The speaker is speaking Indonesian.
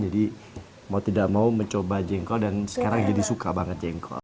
jadi mau tidak mau mencoba jengkol dan sekarang jadi suka banget jengkol